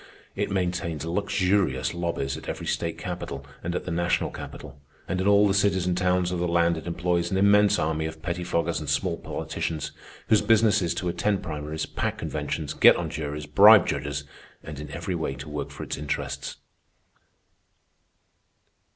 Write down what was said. It maintains luxurious lobbies at every state capital, and at the national capital; and in all the cities and towns of the land it employs an immense army of pettifoggers and small politicians whose business is to attend primaries, pack conventions, get on juries, bribe judges, and in every way to work for its interests.